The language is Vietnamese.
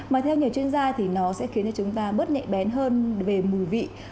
mà theo nhiều chuyên gia thì nó sẽ khiến cho chúng ta bớt nhạy bén hơn về mùi vị